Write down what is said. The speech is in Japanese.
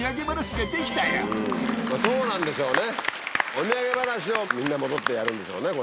お土産話をみんな戻ってやるんでしょうね。